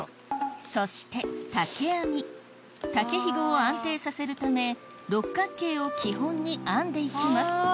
そして竹ひごを安定させるため六角形を基本に編んでいきます